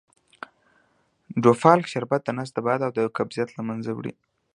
ډوفالک شربت دنس باد او قبضیت له منځه وړي .